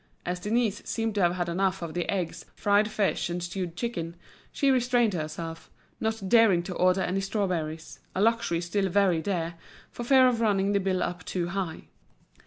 As Denise seemed to have had enough of the eggs, fried fish, and stewed chicken, she restrained herself, not daring to order any strawberries, a luxury still very dear, for fear of running the bill up too high.